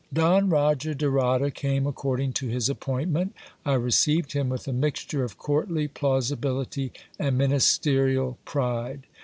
Don Roger de Rada came according to his appointment I received him with a mixture of courtly plausibility and ministerial pride.